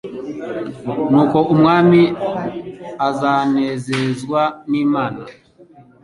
Nuko umwami azanezezwe n’Imana